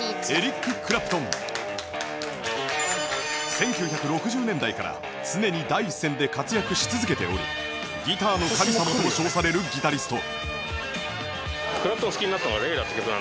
１９６０年代から常に第一線で活躍し続けておりギターの神様と称されるギタリスト